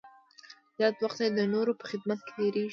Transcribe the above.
زیات وخت یې د نورو په خدمت کې تېرېږي.